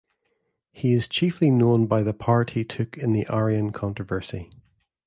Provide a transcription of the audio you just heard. He is chiefly known by the part he took in the Arian controversy.